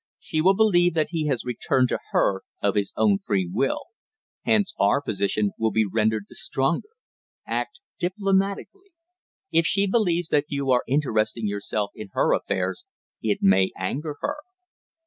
She will believe that he has returned to her of his own free will; hence our position will be rendered the stronger. Act diplomatically. If she believes that you are interesting yourself in her affairs it may anger her."